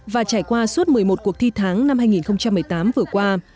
và trải qua suốt một mươi một cuộc thi tháng năm hai nghìn một mươi tám vừa qua